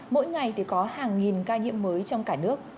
mỗi ngày thì có hàng nghìn ca nhiễm mới trong cả nước